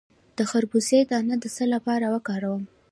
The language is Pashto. د خربوزې دانه د څه لپاره وکاروم؟